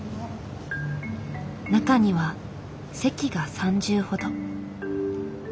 中には席が３０ほど。